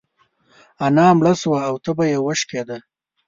انا مړه سوه او تبه يې وشکيده.